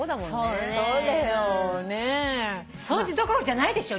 掃除どころじゃないでしょ